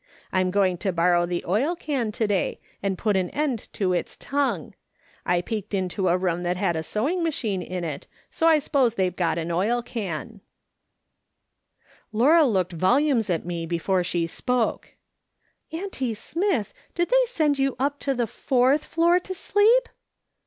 I'm going to borrow the oil can to day, and put an end to its tongue ; I peeked into a room that had a sewing machine in it, so I s'pose they've got an oil can," Laura looked volumes at me before she spoke :" IM GLA D Til A T SOL 0.1/0 AT A IN' T AL ONG." 93 "Auntie Smith, did they send j'ou up to the fourth floor to sleep